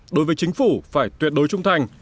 đối với chính phủ phải tuyệt đối trung thành